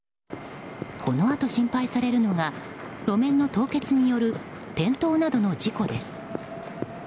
このあと心配されるのが路面の凍結による転倒などの事故です。